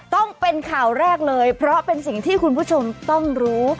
ต้องเป็นข่าวแรกเลยเพราะเป็นสิ่งที่คุณผู้ชมต้องรู้